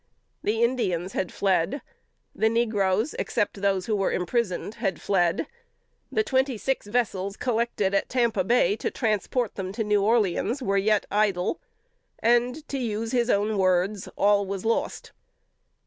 The Indians had fled. The negroes, except those who were imprisoned, had fled. The twenty six vessels, collected at Tampa Bay to transport them to New Orleans, were yet idle; and, to use his own words, "_all was lost!